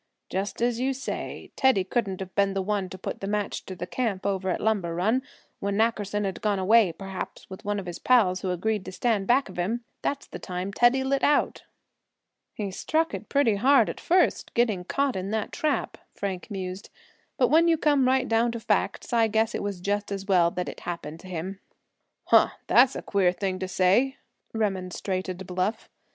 Just as you say, Teddy couldn't have been the one to put the match to the camp over at Lumber Run. When Nackerson had gone away, perhaps with one of his pals who agreed to stand back of him, that's the time Teddy lit out." "He struck it pretty hard at first, getting caught in that trap," Frank mused; "but when you come right down to facts I guess it was just as well that it happened to him." "Huh! that's a queer thing to say," remonstrated Bluff.